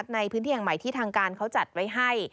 ในพื้นที่แห่งใหม่ที่ทางการเขาจัดไว้ให้